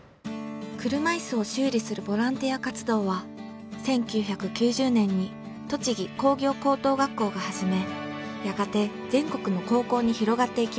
車いすを修理するボランティア活動は１９９０年に栃木工業高等学校が始めやがて全国の高校に広がっていきました。